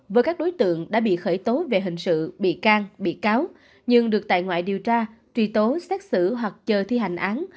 với các đối tượng đã bị khởi tố về hình sự bị can bị cáo nhưng được tại ngoại điều tra truy tố xét xử hoặc chờ thi hành án